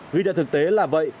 nghĩa thực tế là vậy